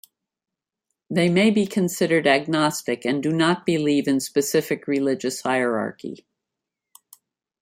They may be considered agnostic and do not believe in specific religious hierarchy.